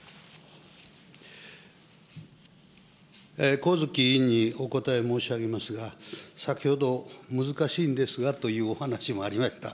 上月委員にお答え申し上げますが、先ほど、難しいんですがというお話もありました。